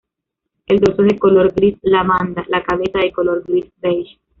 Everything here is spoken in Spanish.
El dorso es de color gris lavanda; la cabeza, de color gris beige.